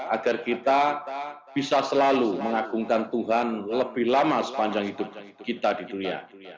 agar kita bisa selalu mengagumkan tuhan lebih lama sepanjang hidup kita di dunia